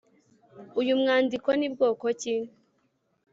Uyu mwandiko ni bwoko ki?